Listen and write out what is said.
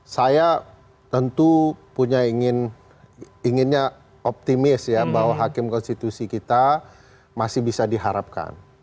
saya tentu punya inginnya optimis ya bahwa hakim konstitusi kita masih bisa diharapkan